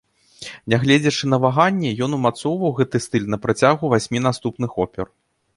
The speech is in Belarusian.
Нягледзячы на ваганні, ён умацоўваў гэты стыль на працягу васьмі наступных опер.